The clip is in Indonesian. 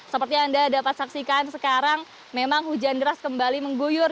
seperti yang anda dapat saksikan sekarang memang hujan deras kembali mengguyur